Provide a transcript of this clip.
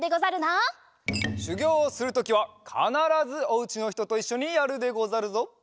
しゅぎょうをするときはかならずおうちのひとといっしょにやるでござるぞ。